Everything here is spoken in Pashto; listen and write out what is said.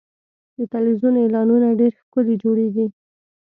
د تلویزیون اعلانونه ډېر ښکلي جوړېږي.